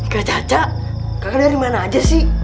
kaca kaca kakaknya dari mana aja sih